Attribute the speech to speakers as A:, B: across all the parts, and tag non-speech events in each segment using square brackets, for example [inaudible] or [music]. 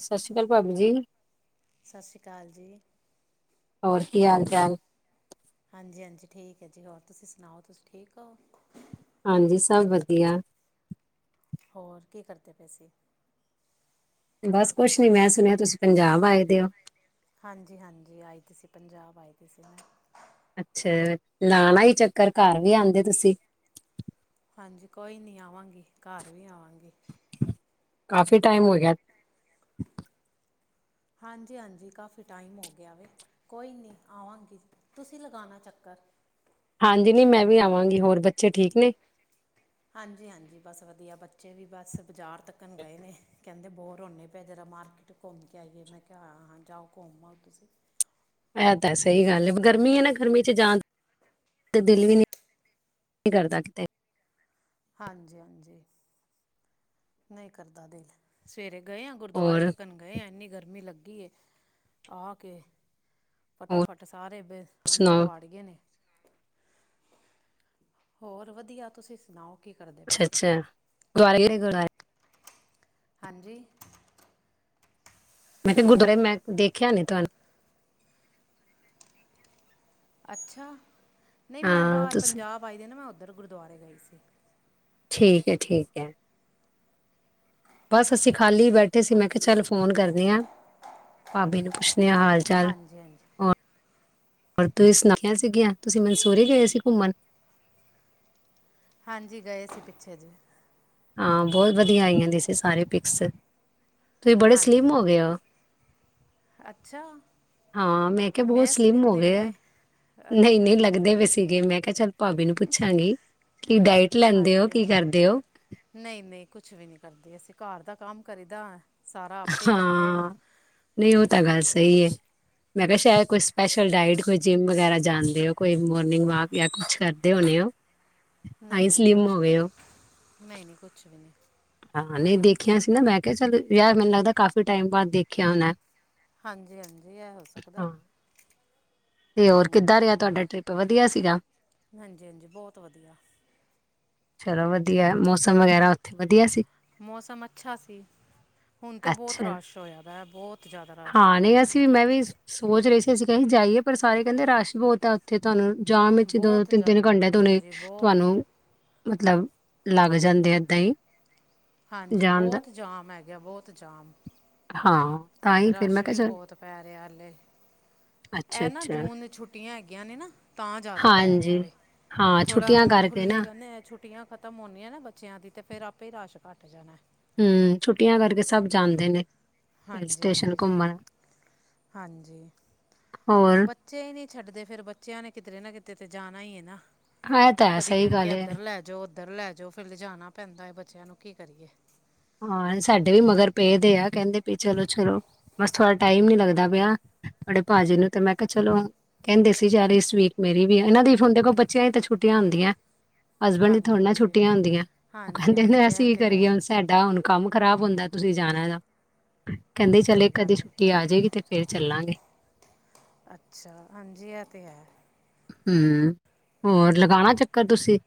A: ਸਤਿ ਸ਼੍ਰੀ ਅਕਾਲ ਭਾਬੀ ਜੀ
B: ਸਤਿ ਸ਼੍ਰੀ ਅਕਾਲ ਜੀ
A: ਹੋਰ ਕੀ ਹਾਲ ਚਾਲ।
B: ਹਾਂਜੀ ਹਾਂਜੀ ਠੀਕ ਹੈ ਜੀ ਹੋਰ ਤੁਸੀਂ ਸੁਣਾਓ ਤੁਸੀਂ ਠੀਕ ਹੋ।
A: ਹਾਂਜੀ ਸਭ ਵਧੀਆ।
B: ਹੋਰ ਕੀ ਕਰਦੇ ਪਏ ਸੀ।
A: ਬਸ ਕੁਛ ਨੀ ਮੈਂ ਸੁਣਿਆ ਤੁਸੀਂ ਪੰਜਾਬ ਆਏ ਦੇ ਓ
B: ਹਾਂਜੀ ਹਾਂਜੀ ਆਏ ਦੇ ਸੀ ਪੰਜਾਬ ਆਏ ਦੇ ਸੀ ਮੈਂ।
A: ਅੱਛਾ ਲਾਣਾ ਈ ਚੱਕਰ ਘਰ ਵੀ ਆਉਂਦੇ ਤੁਸੀਂ।
B: ਹਾਂਜੀ ਕੋਈ ਨਹੀਂ ਆਵਾਂਗੀ ਘਰ ਵੀ ਆਵਾਂਗੀ।
A: ਕਾਫੀ ਟਾਈਮ ਹੋ ਗਿਆ।
B: ਹਾਂਜੀ ਹਾਂਜੀ ਕਾਫੀ ਟਾਈਮ ਹੋ ਗਿਆ ਵੇ। ਕੋਈ ਨਹੀਂ ਆਵਾਂਗੀ ਤੁਸੀਂ ਲਗਾਉਣਾ ਚੱਕਰ।
A: ਹਾਂਜੀ ਨੀ ਮੈਂ ਵੀ ਆਵਾਂਗੀ ਹੋਰ ਬੱਚੇ ਠੀਕ ਨੇ।
B: ਹਾਂਜੀ ਹਾਂਜੀ ਬਸ ਵਧੀਆ ਬੱਚੇ ਵੀ ਬਸ ਬਾਜ਼ਾਰ ਤੱਕਣ ਗਏ ਨੇ। ਕਹਿੰਦੇ ਬੋਰ ਹੁੰਦੇ ਪਏ ਜਰਾ ਮਾਰਕੀਟ ਘੁੰਮ ਕੇ ਆਈਏ ਮੈਂ ਕਿਹਾ ਹਾਂ ਹਾਂ ਜਾਓ ਘੁੰਮ ਆਓ ਤੁਸੀਂ।
A: ਇਹ ਤਾਂ ਸਹੀ ਗੱਲ ਹੈ ਗਰਮੀ ਹੈ ਨਾ ਗਰਮੀ ਚ ਜਾਣ।
B: ਹਾਂ।
A: ਤੇ ਦਿਲ ਵੀ ਨੀ ਕਰਦਾ ਕਿਤੇ
B: ਹਾਂਜੀ ਹਾਂਜੀ। ਨਹੀਂ ਕਰਦਾ ਦਿਲ ਸਵੇਰੇ ਗਏ ਆ ਗੁਰਦੁਆਰੇ
A: ਹੋਰ
B: ਤੱਕਣ ਗਏ ਆ ਇੰਨੀ ਗਰਮੀ ਲੱਗੀ ਏ ਆ ਕੇ।
A: ਹੋਰ
B: ਫਟਾਫਟ ਸਾਰੇ ਬ ਅੰਦਰ
A: ਸੁਣਾਓ?
B: ਵੜ ਗਏ ਨੇ। ਹੋਰ ਵਧੀਆ ਤੁਸੀਂ ਸੁਣਾਓ। ਕੀ ਕਰਦੇ ਪਏ
A: ਅੱਛਾ
B: ਸੀ
A: ਅੱਛਾ ਗੁ।
B: ਹਾਂਜੀ।
A: ਮੈਂ ਕਿਹਾ ਗੁਰਦੁਆਰੇ ਮੈਂ ਦੇਖਿਆ ਨੀ ਤੁਹਾਨੂੰ।
B: ਅੱਛਾ ਨਹੀਂ ਮੈਂ
A: ਹਾਂ
B: ਬਾਹਰ
A: ਤੁਸੀਂ
B: ਪੰਜਾਬ ਆਈ ਦੀ ਨਾ ਮੈਂ ਉੱਧਰ ਗੁਰਦੁਆਰੇ ਗਈ ਸੀ।
A: ਠੀਕ ਹੈ ਠੀਕ ਹੈ। ਬਸ ਅਸੀਂ ਖਾਲੀ ਬੈਠੇ ਸੀ ਮੈਂ ਕਿਹਾ
B: ਹਾਂਜੀ
A: ਚੱਲ ਫ਼ੋਨ ਕਰਦੇ ਹਾਂ ਭਾਬੇ ਨੂੰ ਪੁੱਛਦੇ ਹਾਂ ਹਾਲ। ਚੱਲ
B: ਹਾਂਜੀ ਹਾਂਜੀ
A: ਹੋਰ ਹੋਰ ਤੁਸੀਂ ਸੁਣਾਈਆ ਸੀਗੀਆਂ ਤੁਸੀਂ ਮਨਸੂਰੀ ਗਏ ਸੀ ਘੁੰਮਣ।
B: ਹਾਂਜੀ ਗਏ ਸੀ ਪਿੱਛੇ ਜਹੇ।
A: ਹਾਂ ਬਹੁਤ ਵਧੀਆ ਆਈ ਜਾਂਦੀਆਂ ਸੀ ਸਾਰੇ ਪਿਕਸ ਤੁਸੀਂ ਬੜੇ
B: ਹਾਂਜੀ
A: ਸਲਿਮ ਹੋ ਗਏ
B: ਹਾਂਜੀ
A: ਹੋ।
B: ਅੱਛਾ
A: ਹਾਂ ਮੈਂ ਕਿਹਾ ਬਹੁਤ ਸਲਿਮ ਹੋ ਗਏ ਨਹੀਂ
B: ਅੱਛਾ
A: ਨਹੀਂ ਲ ਲਗਦੇ ਵੀ ਸੀਗੇ ਮੈਂ ਕਿਹਾ ਚੱਲ ਭਾਬੀ ਨੂੰ ਪੁੱਛਾਂਗੀ ਕਿ ਡਾਇਟ ਲੈਂਦੇ ਹੋ
B: ਹਾਂਜੀ
A: ਕੀ
B: ਹਾਂਜੀ
A: ਕਰਦੇ ਹੋ
B: ਨਹੀਂ ਨਹੀਂ ਕੁਛ ਵੀ ਨਹੀਂ ਕਰਦੇ ਅਸੀਂ ਘਰ ਦਾ ਕੰਮ ਕਰੀਦਾ। ਸਾਰਾ ਆਪੇ ਹੀ ਕਰਨੇ ਆ
A: ਹਾਂ ਨਹੀਂ ਉਹ ਤਾਂ ਗੱਲ ਸਹੀ ਹੈ। ਮੈਂ ਕਿਹਾ ਸ਼ਾਇਦ ਕੋਈ ਸਪੈਸ਼ਲ ਡਾਇਟ ਕੋਈ ਜਿੰਮ ਵਗੈਰਾ ਜਾਂਣਦੇ ਹੋ ਕੋਈ ਮੋਰਨਿੰਗ ਵਾਕ ਜਾਂ ਕੁਛ ਕਰ ਕਰਦੇ ਹੋਣੇ ਹੋ ਤਾਂ ਹੀ
B: ਨਹੀਂ ਨਹੀਂ
A: ਸਲਿਮ
B: ਕੁਛ
A: ਹੋ
B: ਵੀ
A: ਗਏ
B: ਨਹੀਂ
A: ਹੋ
B: ਨਹੀਂ ਨਹੀਂ ਕੁਛ ਵੀ ਨਹੀਂ।
A: ਹਾਂ ਨਹੀਂ ਦੇਖਿਆ ਸੀ ਨਾ ਮੈਂ ਕਿਹਾ ਚੱਲ ਯਾਰ ਮੈਨੂੰ ਲੱਗਦਾ ਕਾਫ਼ੀ ਟਾਈਮ ਬਾਅਦ ਦੇਖਿਆ ਹੋਣਾਂ
B: ਹਾਂਜੀ ਹਾਂਜੀ ਇਹ ਹੋ ਸਕਦਾ
A: ਤੇ ਹੋਰ
B: ਹਮ।
A: ਕਿੱਦਾਂ ਰਿਹਾ ਤੁਹਾਡਾ ਟ੍ਰਿਪ ਵਧੀਆ ਸੀਗਾ
B: ਹਾਂਜੀ ਹਾਂਜੀ ਬਹੁਤ ਵਧੀਆ।
A: ਚਲੋ ਵਧੀਆ, ਮੌਸਮ ਵਗੈਰਾ ਉੱਥੇ ਵਧੀਆ ਸੀ।
B: ਮੌਸਮ ਅੱਛਾ ਸੀ। ਹੁਣ ਤੇ ਬਹੁਤ
A: ਅੱਛਾ
B: ਰਸ਼ ਹੋਇਆ ਵਾ ਬਹੁਤ ਜ਼ਿਆਦਾ ਰਸ਼
A: ਹਾਂ, ਨਹੀਂ, ਅਸੀਂ ਮੈਂ ਵੀ ਸੋਚ ਰਹੀ ਸੀ। ਅਸੀਂ ਕ ਜਾਈਏ ਪਰ ਸਾਰੇ ਕਹਿੰਦੇ-ਰਸ਼ ਬਹੁਤ ਆ। ਥੇ ਤੁਹਾਨੂੰ ਜਾਮ ਵਿੱਚ ਦੋ,
B: ਬਹੁਤ
A: ਤਿੰਨ-ਤਿੰਨ ਘੰਟਿਆਂ ਤੇ
B: ਜ਼ਿਆਦਾ
A: ਉਹਨੇ
B: ਹਾਂਜੀ ਬਹੁਤ
A: ਤੁਹਾਨੂੰ ਮਤਲਬ ਲੱਗ ਜਾਂਦੇ ਏਦਾਂ ਹੀ।
B: ਹਾਂਜੀ,
A: ਜਾਣ ਦਾ
B: ਬਹੁਤ ਜਾਮ ਹੈਗਾ, ਬਹੁਤ ਜਾਮ।
A: ਹਾਂ। ਤਾਂ ਹੀ ਫਿਰ
B: ਰਸ਼
A: ਮੈਂ ਕਿਹਾ
B: ਵੀ
A: ਚਲ
B: ਬਹੁਤ ਪੈ ਰਿਹਾ ਹੱਲਲੇ।
A: ਅੱਛਾ
B: ਇਹ ਨਾ
A: ਅੱਛਾ
B: ਜੂਨ ਛੁੱਟੀਆਂ ਹੈਗੀਆਂ ਨੇ ਨਾ ਤਾਂ ਜ਼ਿਆਦਾ ਪੈ
A: ਹਾਂਜੀ
B: ਰਿਹਾ ਵੈ।
A: ਹਾਂ
B: ਥੋੜ੍ਹਾ
A: ਛੁੱਟੀਆਂ
B: ਹੁਣ
A: ਕਰਕੇ
B: ਖੁੱਲ੍ਹੇਗਾ ਨਾ ਛੁੱਟੀਆਂ ਖ਼ਤਮ ਹੁੰਦੀ ਹ ਨਾ ਬੱਚਿਆਂ ਦੀ ਤਾਂ ਫਿਰ ਆਪੇ ਹੀ ਰਸ਼ ਘੱਟ ਜਾਣਾ।
A: ਹਮ, ਛੁੱਟੀਆਂ ਕਰਕੇ ਸਭ ਜਾਂਦੇ ਨੇ ਹ
B: ਹਾਂਜੀ
A: ਸਟੇਸ਼ਨ
B: ਹਾਂਜੀ
A: ਘੁੰਮਣ। ਹੋਰ
B: ਚੇ ਹੀ ਨਹੀਂ ਛੱਡਦੇ ਫੇਰ ਬੱਚਿਆਂ ਨੇ ਕਿਤੇਰੇ ਨਾ ਕਿਤੇ ਤੇ ਜਾਣਾ ਹੀ ਹੈ ਨਾ
A: ਹੈ ਤਾਂ ਹੈ
B: ਕਦੀ
A: ਸਹੀ
B: ਕਹਿਣਗੇ
A: ਗੱਲ ਹੈ
B: ਇੱਧਰ ਲੈ ਜਾਓ, ਉੱਧਰ ਲੈ ਜਾਓ, ਫਿਰ ਜਾਣਾ ਪੈਂਦਾ ਹੈ ਬੱਚਿਆਂ ਨੂੰ ਕੀ ਕਰੀਏ।
A: ਹਾਂ, ਸਾਡੇ ਵੀ ਮਗਰ ਪਏਦੇ ਆ। ਕਹਿੰਦੇ ਵੀ ਚਲੋ-ਚਲੋ ਬਸ, ਥੋੜਾ ਟਾਈਮ ਨੀ ਲੱਗਦਾ ਪਿਆ। ਤੁਹਾਡੇ ਭਾਜੀ ਨੂੰ ਤੇ ਮੈਂ ਕਿਹਾ- ਚਲੋ। ਕਹਿੰਦੇ ਸੀ ਯਾਰ ਸਵੀਟ ਮੇਰੀ ਵੀ ਆ। ਇਹਨਾਂ ਦੀ ਫ ਹ ਦੇਖ ਕੋਲ ਬੱਚਿਆਂ ਹੀ ਛੱਟੀਆਂ ਹੁੰਦੀਆਂ। ਹਸਬੈਂਡ ਦੀ
B: ਹਾਂਜੀ
A: ਥੋੜੇ ਨਾ
B: ਹਾਂਜੀ
A: ਛੁੱਟੀਆਂ ਹੁੰਦੀਆਂ, ਉਹ
B: ਹਾਂਜੀ
A: ਕਹਿੰਦੇ-
B: ਹਾਂਜੀ ਇਹ
A: ਅਸੀਂ ਕੀ
B: ਤੇ ਹੈ
A: ਕਰੀਏ ਸਾਡਾ ਹੁਣ ਕੰਮ ਖ਼ਰਾਬ ਹੁੰਦਾ। ਤੁਸੀਂ ਜਾਣਾ ਦਾ ਕਹਿੰਦੇ- ਚਲੇ
B: ਸਹੀ
A: ਇੱਕਦੇ
B: ਗੱਲ ਹੈ
A: ਛੁੱਟੀ ਆ ਜਾਏਗੀ ਤੇ ਫੇਰ ਚੱਲਾਂਗੇ।
B: ਅੱਛਾ, ਹਾਂਜੀ ਇਹ ਤਾਂ ਹੈ।
A: ਹਮ, ਹੋਰ ਲਗਾਉਣਾ ਚੱਕਰ ਤੁਸੀਂ।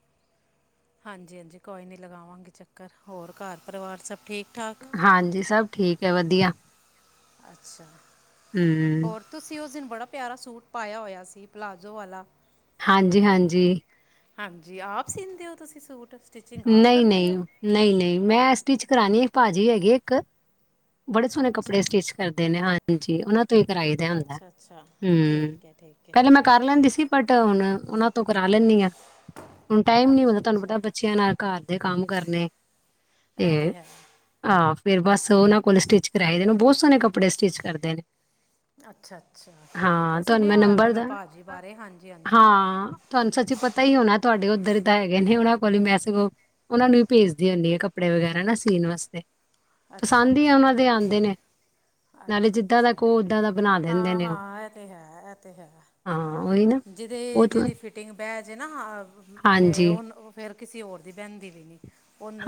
B: ਹਾਂਜੀ, ਹਾਂਜੀ। ਕੋਈ ਨਹੀਂ ਲਗਾਵਾਂਗੇ ਚੱਕਰ ਹੋਰ ਘਰ ਪਰਿਵਾਰ ਸਭ ਠੀਕ- ਠਾਕ।
A: ਹਾਂਜੀ, ਸਭ ਠੀਕ ਹੈ ਵਧੀਆ।
B: ਅੱਛਾ,
A: ਹਮ
B: ਹੋਰ? ਤੁਸੀਂ ਉਸ ਦਿਨ ਬੜਾ ਪਿਆਰਾ ਸੂਟ ਪਾਇਆ ਹੋਇਆ ਸੀ। ਪਲਾਜ਼ੋ ਵਾਲਾ।
A: ਹਾਂਜੀ, ਹਾਂਜੀ।
B: ਹਾਂਜੀ, ਆਪ ਸੀਦੇ ਹੋ ਤੁਸੀਂ ਸੂਟ। ਸਟਿਚਿੰਗ ਆਪ
A: ਨਹੀਂ,
B: ਕਰਦੇ
A: ਨਹੀਂ,
B: ਹੋ
A: ਨਹੀਂ, ਨਹੀਂ। ਮੈਂ ਸਟਿਚ ਕਰਾਉਣੀ ਭਾਜੀ ਹੈਗੀ ਇੱਕ ਬੜੇ ਸੋਹਣੇ ਕੱਪੜੇ
B: ਅੱਛਾ
A: ਸਟਿਚ ਕਰਦੇ ਨੇ ਹਾਂਜੀ, ਉਹਨਾਂ ਤੋਂ ਹੀ ਕਰਈ ਦੇ ਹੁੰਦਾ।
B: ਅੱਛਾ ਅੱਛਾ
A: ਹਮ
B: ਠੀਕ ਹੈ ਠੀਕ ਹੈ
A: ਪਹਿਲੇ ਮੈਂ ਕਰ ਲੈਂਦੀ ਸੀ, ਬਟ ਹੁਣ ਉਹਨਾਂ ਤੋਂ ਕਰਾ ਲੈਂਦੀ ਹਾਂ। ਹੁਣ ਟਾਈਮ ਨੀ ਮਤਦਾ
B: ਅੱਛਾ
A: ਤੁਹਾਨੂੰ‌ ਪਤਾ
B: ਅੱਛਾ
A: ਬੱਚਿਆਂ ਨਾਲ ਘਰ ਦੇ ਕੰਮ ਕਰਨੇ
B: ਇਹ ਤੇ ਹੈ।
A: ਆਹ, ਫੇਰ ਬਸ ਉਹਨਾਂ ਕੋਲ ਸਟਿਚ ਕਰਵਾਏ‌ ਦੇਨ, ਬਹੁਤ ਸੋਹਣੇ ਕੱਪੜੇ ਸਟਿਚ ਕਰਦੇ ਨੇ।
B: ਅੱਛਾ-ਅੱਛਾ ਠੀਕ
A: ਹਾਂ
B: ਹੈ।
A: ਤੁਹਾਨੂੰ
B: ਸੁਣਿਆ ਹੋਇਆ‌ ਮੈਂ,
A: ਨੰਬਰ
B: ਮੈਂ
A: ਦਾ
B: ਭਾਅ ਜੀ ਬਾਰੇ ਹਾਂਜੀ- ਹਾਂਜੀ।
A: ਹਾਂ ਤੁਹਾਨੂੰ ਸੱਚੀ ਪਤਾ ਹੀ ਹੋਣਾ ਤੁਹਾਡੇ, ਉੱਧਰ ਹੀ ਤਾਂ ਹੈਗੇ ਨੇ ਉਹਨਾਂ ਕੋਲ ਮੈਂ ਸਗੋਂ ਉਹਨਾਂ ਨੂੰ ਵੀ ਭੇਜਦੀ ਹੁੰਦੀ ਹੈ। ਕੱਪੜੇ ਵਗੈਰਾ ਨਾ ਸੀਣ ਵਾਸਤੇ।
B: ਅੱਛਾ-ਅੱਛਾ।
A: ਪਸੰਦ ਉਹਨਾਂ ਦੇ ਆਉਂਦੇ ਨੇ ਨਾਲੇ
B: ਅੱਛਾ
A: ਜਿੱਦਾਂ ਦਾ
B: -ਅੱਛਾ।
A: ਕਹੋ ਓਦਾਂ ਦਾ ਬਣਾ ਦਿੰਦੇ ਨੇ ਉਹ
B: ਹਾਂ-ਹਾਂ, ਇਹ ਤਾਂ ਹੈ, ਇਹ ਤਾਂ ਹੈ।
A: ਹਾਂ ਉਹੀ ਨਾ
B: ਜਿਹਦੇ,
A: ਬਹੁਤ
B: ਜਿਹਦੀ ਫਿਟਿੰਗ ਬਹਿ ਜਾੇ ਨਾ ਅਤੇ
A: ਹਾਂਜੀ,
B: ਉਹ ਫਿਰ ਕਿਸੇ ਹੋਰ ਦੀ ਬਹਿੰਦੀ ਵੀ ਨਹੀਂ,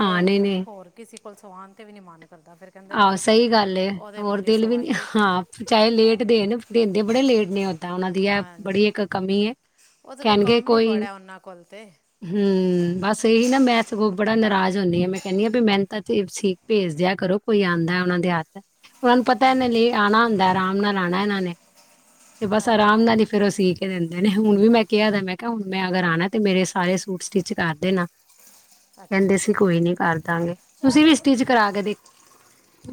A: ਹਾਂ ਨਹੀਂ-ਨਹੀਂ
B: ਹੋਰ ਕਿਸੇ ਕੋਲ ਸਵਾਉਣ 'ਤੇ ਵੀ ਨਹੀਂ ਮਨ ਕਰਦਾ ਫਿਰ ਕਹਿੰਦਾ
A: ਆਹੋ,
B: ਬੰਦਾ
A: ਸਹੀ ਗੱਲਹੈ।
B: ਉਹਦੇ
A: ਹੋਰ
B: ਕੋਲ ਹੀ
A: ਦਿਲ ਵੀ ਨ
B: ਸਵਾਈਏ ਤੇ
A: ਹਾਂ, ਚਾਹੇ ਲੇਟ ਦੇਣ ਦਿੰਦੇ ਬੜੇ ਲੇਟ ਨੇ‌ ਦਾਂ ਉਹਨਾਂ ਦੀ ਹੈ ਬੜੀ
B: ਹਾਂਜੀ
A: ਇੱਕ ਕਮੀ
B: ਉਹਦੇ ਕੋਲ
A: ਕਹਿਣਗੇ
B: ਕੰਮ ਹੀ
A: ਕੋਈ
B: ਬੜਾ ਉਹਨਾਂ ਕੋਲ ਤੇ ਇਹ
A: ਹਮ ਬਸ, ਇਹੀ ਨਾ ਮੈਂ ਸਗੋਂ ਬੜਾ ਨਾਰਾਜ਼ ਹੁੰਦੀ ਹ। ਮੈਂ ਕਹਿੰਦੀ- ਹਾਂ ਵੀ ਮੈਨ ਤਾਂ ਤੇਪਸੀ ਭੇਜ ਦਿਆ ਕਰੋ ਕੋਈ ਆਉਂਦਾ, ਉਹਨਾਂ ਦੇ ਹੱਥ ਉਹਨਾਂ ਨੂੰ ਪਤਾ, ਲਈ ਆਉਣਾ ਹੁੰਦਾ ਆਰਾਮ ਮੁਨ ਰਾਣਾ ਇਹਨਾਂ ਨੇ ਤੇ ਬਸ, ਆਰਾਮ ਨਾਲ ਹੀ ਫੇਰ ਉਹ ਸੀ ਏ ਦਿੰਦੇ ਨੇ, ਹੁਣ ਵੀ ਮੈਂ ਕਿਹਾ ਮੈਂ ਕਿਹਾ, ਹੁਣ ਮੈਂ ਅਗਰ ਆਉਣਾ ਤੇ ਮੇਰੇ, ਸਾਰੇ ਸੂਟ ਸਟਿਚ ਕਰ ਦੇਣਾ
B: ਅੱਛਾ
A: ਕਹਿੰਦੇ ਸੀਂ,
B: ਅੱਛਾ
A: ਕੋਈ ਨੀ ਕਰ ਦਾਂਗੇ, ਤੁਸੀਂ ਵੀ ਇਸ ਚੀਜ਼ ਕਰਾ ਕੇ ਦੇ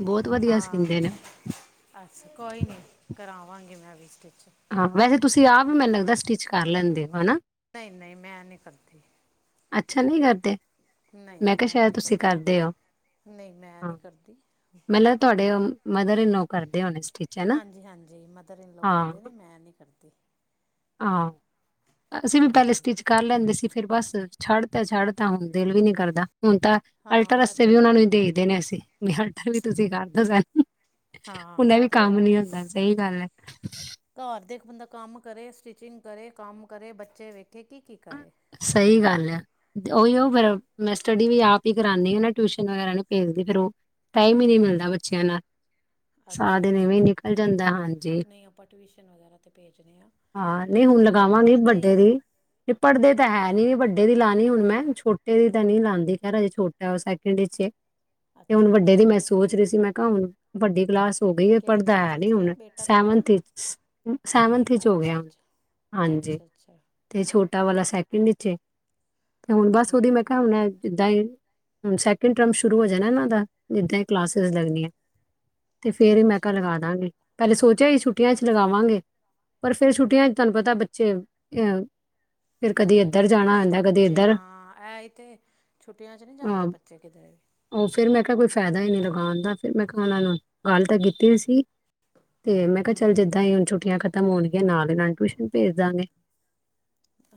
A: ਬਹੁਤ ਵਧੀਆ
B: ਹਾਂ
A: ਸੀਂਦੇ ਨੇ।
B: ਅਛ ਕੋਈ ਨੀ ਕਰਾਵਾਂਗੇ, ਮੈਂ ਵੀ ਸਟਿਚ
A: ਹਾਂ ਵੈਸੇ ਤੁਸੀਂ ਆਪ ਵੀ, ਮੈਨੂੰ ਲੱਗਦਾ, ਸਟਿਚ ਕਰ ਲੈਂਦੇ ਹੋ ਹਨਾ
B: ਨਹੀਂ- ਨਹੀਂ ਮੈਂ ਨਹੀਂ ਕਰਦੀ।
A: ਅੱਛਾ ਨਹੀਂ ਕਰਦੇ,
B: ਨਹੀਂ
A: ਮੈਂ
B: ਨਹੀਂ
A: ਕਿਹਾ ਸ਼ਾਇਦ
B: ਨਹੀਂ
A: ਤੁਸੀਂ
B: ਕਰਦੀ
A: ਕਰਦੇ ਹੋ
B: ਨਹੀਂ ਮੈਂ ਨਹੀਂ
A: ਹਾਂ
B: ਕਰਦੀ
A: ਮੈਨੂੰ ਲਗਦਾ ਤੁਹਾਡੇ ਮਦਰ ਇਨੋ ਲੌ, ਕਰਦੇ ਹੋਣੇ ਸਟੀਚ?
B: ਹਾਂਜੀ -ਹਾਂਜੀ, ਮਦਰ- ਇਨ, ਕਰਦੇ ਨੇ ਮੈਂ ਨੀ ਕਰਦੀ
A: ਹਾਂ, ਅਸੀਂ ਪਹਿਲਾਂ
B: ਹਾਂਜੀ
A: ਸਟੀਚ ਕਰ ਲੈਂਦੇ ਸੀ, ਫਿਰ ਬਸ ਛੱਡ ਤਾਂ ਛੱਡ ਤਾਂ ਹੁਣ, ਦਿਲ ਵੀ ਨਹੀਂ ਕਰਦਾ ਹੁਣ ਤਾਂ ਅਲਟਰ
B: ਹਾਂ ਇਹ
A: ਆਸਤੇ
B: ਤੇ
A: ਵੀ
B: ਹੈ
A: ਉਹਨਾ ਨੂੰ ਦੇ ਦੇਨੇ, ਅਸੀਂ ਵੀ, ਅਲਟਰ ਵੀ ਤੁਸੀਂ ਕਰਦੌ ਸ ਹੁਣੇ
B: ਹਾਂ ਇਹ
A: ਵੀ
B: ਤੇ
A: ਕੰਮ
B: ਹੈ
A: ਨਈ ਹੁੰਦਾ, ਸਹੀ ਗੱਲ ਆ
B: ਘਰ ਦੇ ਇੱਕ ਬੰਦਾ ਕੰਮ ਕਰੇ, ਸਟਿਚਿੰਗ ਕਰੇ, ਕੰਮ ਕਰੇ, ਬੱਚੇ ਵੇਖੇ ਕੀ ਕੀ ਕਰੇ
A: ਸਹੀ ਗੱਲ ਹੈ। ਉਹੀ ਉਹ ਫਿਰ, ਮੈਂ ਸਟੱਡੀ ਵੀ ਆਪ ਹੀ ਕਰਾਉਂਦੀ ਟਿਊਸ਼ਨ ਵਗੈਰਾ, ਨਹੀਂ ਭੇਜਦੀ ਫੇਰ ਉਹ ਟਾਈਮ ਹੀ ਨਹੀਂ ਮਿਲਦਾ, ਬੱਚਿਆਂ ਨਾਲ ਸਾਰਾ
B: ਅੱਛਾ-
A: ਦਿਨ
B: ਅੱਛਾ
A: ਇਵੇਂ ਨਿਕਲ ਜਾਂਦਾ ਹਾਂਜੀ
B: ਨਹੀਂ ਆਪਾਂ ਟਿਊਸ਼ਨ ਵਗੈਰਾ 'ਤੇ, ਭੇਜਣੇ ਹਾਂ
A: ਹਾਂ ਨਹੀਂ
B: ਬੱਚੇ
A: ਹੁਣ
B: ਸਾਡੇ ਕੋਲ
A: ਲਗਾਵਾਂਗੀ
B: ਪੜ੍ਹਦੇ ਹੀ
A: ਵੱਡੇ
B: ਨਹੀਂ
A: ਦੀ, ਪੜ੍ਹਦੇ ਤਾਂ ਹੈ
B: ਹਾਂਜੀ
A: ਨਈ ਵੱਡੇ ਏਦੀ ਲਾਉਣੀ ਮੈਂ ਛੋਟੇ ਦੀ ਤਾਂ ਨਹੀਂ ਲਾਂਦੀ, ਖਹਿਰ ਅਜੇ ਛੋਟਾ ਉਹ ਸੈਕਿੰਡਵਿੱਚ ਵੇ ਤੇ ਹੁਣ
B: ਅੱਛਾ
A: ਵੱਡੇ ਦੀ
B: ਅੱਛਾ
A: ਮੈਂ ਸੋਚ ਰਹੀ ਸੀ ਮੈਂ ਕਿਹਾ ਹੁਣ ਵੱਡੀ ਕਲਾਸ ਹੋ ਗਈ
B: ਕਿਹੜੀ
A: ਪੜ੍ਹਦਾ
B: ਕਲਾਸ
A: ਹੈ ਨੀ
B: ਵਿੱਚ ਏ
A: ਹੁਣ,
B: ਬੇਟਾ ਤੁਹਾਡਾ
A: ਸੈਵਨਥ -ਸੈਵਨਥ ਵਿੱਚ ਹੋ ਗਿਆ
B: ਅੱਛਾ
A: ਹੁਣ
B: ਅੱਛਾ
A: ਹਾਂਜੀ
B: ਅੱਛਾ -ਅੱਛਾ।
A: ਤੇ ਛੋਟਾ ਵਾਲਾ ਸੈਕਿੰਡ ਵਿਚੇ ਤੇ, ਹੁਣ ਬਸ ਉਹਦੀ ਮੈਂ
B: ਠੀਕ ਹੈ
A: ਕਿਹਾ ਹੁਣ ਜਿੱਦਾਂ ਹੀ, ਹੁਣ ਸੈਕਿੰਡ ਟਰਮ ਸ਼ੁਰੂ ਹੋ ਜਾਣਾ ਇਹਨਾਂ ਦਾ ਜਿੱਦਾਂ ਹੀ ਕਲਾਸਿਸ
B: ਹਮ
A: ਲੱਗਣੀਆਂ, ਤੇ ਫੇਰ ਹੀ ਮੈ
B: ਅੱਛਾ
A: ਕਿਹਾ
B: ਅੱਛਾ
A: ਲੱਗਾ ਦਾਂਗੀ ਪਹਿਲੇ ਸੋਚਿਆ ਹੀ ਛੁੱਟੀਆਂ ਚ ਲਗਾਵਾਂਗੇ, ਪਰ ਫਿਰ ਛੁੱਟੀਆਂ ਚ, ਤੁਹਾਨੂੰ ਪਤਾ ਬੱਚੇ ਅਹ ਫਿਰ ਕਦੀ
B: ਛੁੱਟੀਆਂ ਚ
A: ਕਦੀ
B: ਬੱਚੇ
A: ਇੱਧਰ
B: ਹਾਂ ਐ ਹੀ ਤੇ, ਛੁੱਟੀਆਂ ਚ ਨਹੀਂ ਜਾਂਦੇ
A: ਅ,
B: ਬੱਚੇ ਕਿਧਰੇ ਵੀ
A: ਉਹ ਫਿਰ ਮੈਂ ਕਿਹਾ ਕੋਈ ਫਾਇਦਾ ਹੀ ਨਹੀਂ ਲਗਾਉਣ ਦਾ, ਫਿਰ ਮੈਂ ਕਿਹਾ ਉਹਨਾਂ ਨੂੰ ਗੱਲ ਤਾਂ ਕੀਤੀ ਸੀ। ਤੇ ਮੈਂ ਕਿਹਾ, ਚੱਲ ਜਿੱਦਾਂ ਹੀ ਹੁਣ ਛੁੱਟੀਆਂ ਖਤਮ ਹੋਣਗੀਆਂ, ਨਾਲ ਹੀ ਨਾਲ ਟਿਊਸ਼ਨ ਭੇਜ ਦਾਂਗੇ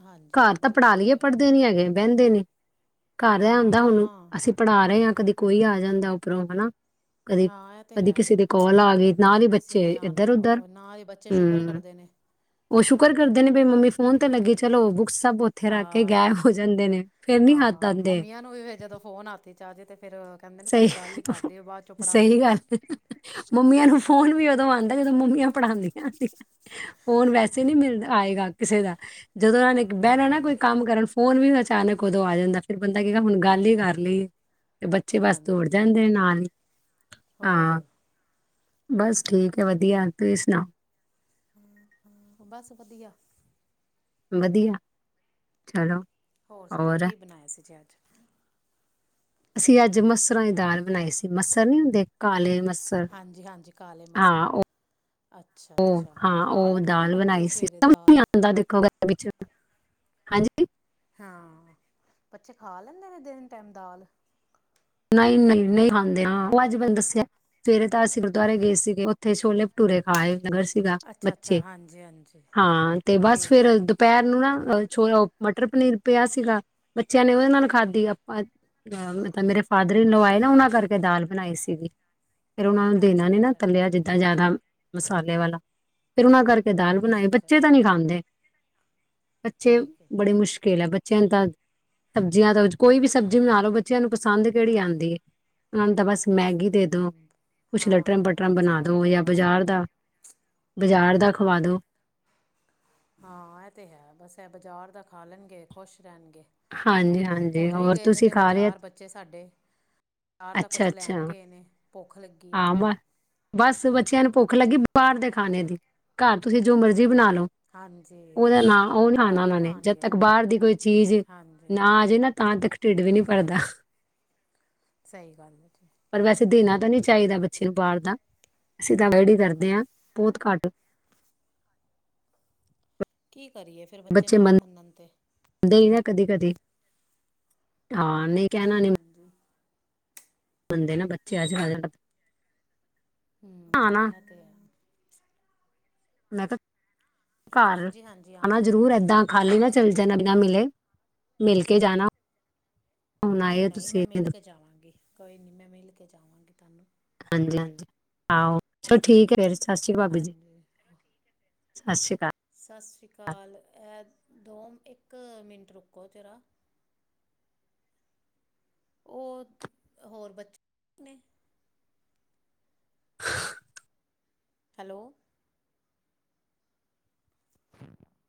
B: ਹਾਂਜੀ
A: ਘਰ ਤਾਂ
B: ਹਾਂਜੀ ਇਹ
A: ਪੜ੍ਹਾ
B: ਤੇ
A: ਲਈਏ,
B: ਹੈ
A: ਪੜ੍ਹਦੇ ਨੀ ਹੈਗੇ ਬਹਿੰਦੇ ਨੇ ਘਰ
B: ਹਾਂ
A: ਆਉਂਦਾ ਹਣੂੰ
B: ਨਾ
A: ਅਸੀਂ ਪੜ੍ਹਾ ਰਹੇ ਹਾਂ, ਕਦੇ ਕੋਈ ਆ ਜਾਂਦਾ ਉੱਪਰੋਂ ਹਨਾ
B: ਹਾਂ ਇਹ ਤੇ
A: ਕਦੇ
B: ਹੈ
A: ਕਿਸੀਂ ਦੀ ਕੋਲ ਆ ਗਈ, ਨਾਲ
B: ਕਦੀ
A: ਹੀ
B: ਕਿਸੇ
A: ਬੱਚੇ
B: ਨੇ ਆਣਾ
A: ਇੱਧਰ -ਉਧਰ
B: ਉਹ ਨਾ ਇਹ ਬੱਚੇ ਸ਼ੁਕਰ ਕਰਦੇ ਨੇ
A: ਉਹ ਸ਼ੁਕਰ ਕਰਦੇ ਨੇ ਵੀ ਮੰਮੀ ਫੋਨ ਤੇ, ਲੱਗੀ ਚਲੋ ਬੁੱਕਸ ਸਭ ਇੱਥੇ ਰੱਖ ਕੇ
B: ਹਾਂ
A: ਗੈਬ ਹੋ ਜਾਂਦੇ ਨੇ, ਫੇਰ ਨੀ ਹੱਥ
B: ਹਾਂ
A: ਆਦੇ
B: ਮੰਮੀਆਂ ਵੀ ਜਦੋਂ ਫੋਨ ਹੱਥ ਚ ਆ ਜਾਏ ਕਹਿੰਦੇ ਨੇ,
A: ਸਹੀ
B: ਪਹਿਲੇ ਗੱਲ ਹੀ ਕਰ ਲਈਏ ਬਾਅਦ ਚੋਂ ਪੜਾ
A: ਸਹੀ
B: ਲਾਂਗੇ
A: ਗੱਲ ਏ। ਮੰਮੀਆਂ ਨੂੰ, ਫੋਨ ਵੀ ਉਦੋਂ ਆਉਂਦਾ ਜਦੋਂ ਮੰਮੀਆਂ, ਪੜ੍ਹਾਉਂਦੀਆ ਫ਼ੋਨ ਵੈਸੇ ਨਹੀਂ ਮਿਲਦਾ ਆਏਗਾ ਕਿਸੇ ਦਾ, ਜਦੋਂ ਉਹਨਾਂ ਨੇ ਬਹਿਣਾ ਨਾ
B: ਹਾਂ
A: ਕੋਈ ਕੰਮ ਕਰਨ, ਫੋਨ ਵੀ ਅਚਾਨਕ ਉਦੋਂ ਆ ਜਾਂਦਾ, ਫੇਿਰ ਬੰਦਾ ਕਹੇਗਾ ਹੁਣ ਗੱਲ ਹੀ ਕਰ ਲਈਏ ਤੇ ਬੱਚੇ, ਬਸ ਦੌੜ
B: ਹਾਂਜੀ
A: ਜਾਂਦੇ
B: ਹਾਂਜੀ
A: ਨਾਲ ਹਾਂ
B: ਹੋਰ
A: ਆ ਬਸ ਠੀਕ ਹੈ, ਵਧੀਆ ਤੁਸੀਂ ਸੁਣਾਓ?
B: ਹਮ ਹਮ ਬਸ ਵਧੀਆ‌।
A: ਵਧੀਆ। ਚਲੋ
B: ਹੋਰ ਸੁਣਾਓ ਕੀ ਬਣਾਇਆਂ ਸੀ ਜੇ ਅੱਜ?
A: ਅਸੀਂ ਅੱਜ ਮਸਰਾਂ ਦੀ ਦਾਲ ਬਣਾਈ ਸੀ ਮਸਰ ਨੀ ਹੁੰਦੇ ਕਾਲੇ ਮਸਰ।
B: ਹਾਂਜੀ ਹਾਂਜੀ ਕਾਲੇ ਮਸਰ।
A: ਹਾਂ
B: ਅੱਛਾ
A: ਉਹ
B: ਅੱਛਾ ਖਾ ਲੈਂਦੇ ਨੇ ਬੱਚੇ ਸਵੇਰੇ ਦਾਲ।
A: ਬੰਦਾ ਦੇਖੋਗਾ ਵਿੱਚ ਹਾਂਜੀ।
B: ਹਾਂ ਬੱਚੇ ਖਾ ਲੈਂਦੇ ਨੇ ਦਿਨ ਟਾਈਮ ਦਾਲ।
A: ਨਹੀਂ ਨਹੀਂ ਨਹੀਂ ਖਾਂਦੇ ਉਹ ਅੱਜ ਮੈਨੂੰ ਦੱਸਿਆ ਸਵੇਰੇ ਤਾਂ ਅਸੀਂ ਗੁਰਦੁਆਰੇ ਗਏ ਸੀਗੇ ਉੱਥੇ ਛੋਲੇ ਭਠੂਰੇ ਖਾਏ। ਸੀਗਾ
B: ਅੱਛਾ ਅੱਛਾ
A: ਬੱਚੇ
B: ਹਾਂਜੀ ਹਾਂਜੀ
A: ਹਾਂ ਤੇ ਬਸ
B: ਠੀਕ ਹੈ
A: ਫੇਿਰ
B: ਠੀਕ ਹੈ
A: ਦੁਪਹਿਰ ਨੂੰ ਨਾ ਛੋ ਮਟਰ ਪਨੀਰ ਪਿਆ ਸੀਗਾ ਬੱਚਿਆਂ ਨੇ ਉਹਦੇ ਨਾਲ ਖਾਧੀ ਆਪਾਂ ਮੇਰੇ ਨਵਾਏ ਨਾ ਉਹਨਾਂ ਕਰਕੇ ਦਾਲ ਬਣਾਈ ਸੀਗੀ ਫੇਿਰ ਉਹਨਾ ਨੂੰ ਦੇਣਾ
B: ਅੱਛਾ
A: ਨੇ ਨਾ
B: ਅੱਛਾ
A: ਕੱਲਿਆ ਜਿੱਦਾਂ ਜਿਆਦਾ। ਮਸਾਲੇ ਵਾਲਾ ਫਿਰ ਉਹਨਾਂ ਕਰਕੇ ਦਾਲ
B: ਅੱਛਾ
A: ਬਣਾਏ
B: ਅੱਛਾ
A: ਬੱਚੇ ਤਾਂ ਨਹੀਂ ਖਾਂਦੇ। ਬੱਚੇ
B: ਠੀਕ ਹੈ
A: ਬੜੀ ਮੁਸ਼ਕਿਲ ਹੈ ਬੱਚੇ ਬੱਚਿਆਂ ਨੂੰ ਤਾਂ ਸਬਜ਼ੀਆਂ ਦਾ ਕੋਈ ਵੀ ਸਬਜ਼ੀ ਬਣਾ ਲਓ ਬੱਚਿਆਂ ਨੂੰ ਪਸੰਦ ਕਿਹੜੀ ਆਉਂਦੀ ਹੈ ਉਹਨਾਂ ਨੂੰ ਤਾਂ ਬਸ ਮੈਗੀ ਦੇ ਦੋ
B: ਹਮ
A: ਕੁਛ
B: ਹਾਂ
A: ਲਟਰਾਂ
B: ਹਾਂ
A: ਪਟਰਾਂ ਬਣਾ
B: ਬੱਚਿਆਂ ਨੂੰ
A: ਦੋ
B: ਤੇ
A: ਜਾਂ
B: ਬਸ
A: ਬਜ਼ਾਰ ਦਾ ਬਜ਼ਾਰ ਦਾ ਖਵਾ ਦੋ।
B: ਹਾਂ ਐ ਤੇ ਹੈ ਬਸ ਏਹ ਬਜ਼ਾਰ ਦਾ ਖਾ ਲੈਣਗੇ ਖੁਸ਼ ਰਹਿਣਗੇ।
A: ਹਾਂਜੀ ਹਾਂਜੀ
B: ਹੋਨ ਵੀ
A: ਹੋਰ
B: ਗਏ ਦੇ
A: ਤੁਸੀਂ
B: ਨੇ
A: ਖਾ ਰਹੇ
B: ਬਜਾਰ ਬੱਚੇ ਸਾਡੇ। ਆਰ ਦਾ
A: ਅੱਛਾ
B: ਕੋੱਛ
A: ਅੱਛਾ
B: ਲੈਨ ਗਏ ਨੇ, ਭੋਖ ਲੱਗ
A: [unintelligible] ਬਸ ਬੱਚੇਆਂ ਨੂੰ ਭੁੱਖ ਲੱਗੀ ਬਾਰ ਦੇ ਖਾਣੇ ਦੀ, ਘਰ ਤੁਸੀ ਜੋ ਮਰਜੀ ਬਨਾ ਲੋ।
B: ਹਾਂਜੀ
A: ਓਦੇ ਨਾਲ ਓ
B: ਘਰ
A: ਲਿਆਨਾ
B: ਨਹੀਂ
A: ਓਨਾਂ ਨੇਂ, ਜਦ
B: ਖਾਣਗੇ
A: ਤੱਕ ਬਾਰ ਦੀ ਕੋਈ ਚੀਜ਼
B: ਹਾਂਜੀ
A: ਨਾ ਆ ਜਾਏ ਨਾ, ਤਾਂ ਤੱਕ ਢਿੱਡ ਵੀ ਨੀ ਭਰਦਾ।
B: ਸਈ ਗੱਲ ਐ ਜੀ।
A: ਪਰ ਵੈਸੇ ਦੇਨਾ ਤਾਂ ਨੀ ਚਾਈਦਾ ਬੱਚੇ ਨੂੰ ਬਾਰ ਦਾ, ਅਸੀਂ ਤਾਂ ਅਵੋਇਡ ਈ ਕਰਦੇ ਆਂ ਬੋਤ ਘੱਟ
B: ਕੀ ਕਰੀਏ ਫਿਰ ਬੱਚੇ ਨਾ ਮੰਨਣ ਤੇ?
A: ਦੇਈ ਦਾ ਕਦੀ-ਕਦੀ ਹਾਂ ਨਈ
B: ਹਾਂਜੀ।
A: ਮੰੰਦੇ ਨਾ ਬੱਚੇ [unintelligible]
B: ਹੂੰ,
A: ਹਾਂ ਨਾ
B: ਐ ਤੇ ਹੈ।
A: ਮੈਂ ਤਾ ਘਰ
B: ਹਾਂਜੀ ਹਾਂਜੀ
A: ਆ ਨਾ
B: ਆਵਾਂਗੀ
A: ਜ਼ਰੂਰ
B: ਮੈਂ
A: ਏਦਾਂ ਖਾਲੀ ਨਾ ਚਲੇ ਜਾਨਾ ਬਿਨਾ ਮਿਲੇ, ਮਿਲ ਕੇ ਜਾਨਾ।
B: ਨਈ-ਨਈ, ਮੈਂ ਮੇਲ ਕੇ ਜਾਵਾਂਗੀ। ਕੋਈ ਨੀ ਮੈਂ ਮੇਲ ਕੇ ਜਾਵਾਂਗੀ ਤਾਨੂੰ।
A: ਹਾਂਜੀ ਹਾਂਜੀ ਆਹੋ ਚਲੋ ਠੀਕ ਹੈ ਫੇਰ। ਸਸ਼੍ਰੀ ਕਾ ਭਾਬੀ ਜੀ,
B: ਹਾਂਜੀ।
A: ਸਸ਼੍ਰੀ ਕਾਲ।
B: ਸਸ ਸ਼੍ਰੀ ਕਾਲ, ਇਹ ਦੋ, ਇੱਕ ਮਿੰਟ ਰੁਕੋ ਜਰਾ। ਓ ਹੋਰ ਬਚ ਨੇ।
A: ਹ [inaudible] [inaudible]
B: ਹੈਲੋ। [inaudible]